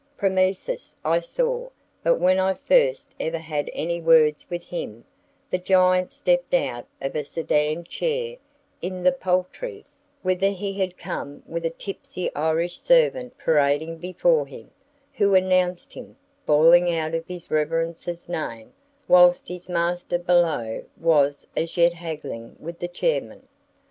Prometheus I saw, but when first I ever had any words with him, the giant stepped out of a sedan chair in the Poultry, whither he had come with a tipsy Irish servant parading before him, who announced him, bawling out his Reverence's name, whilst his master below was as yet haggling with the chairman.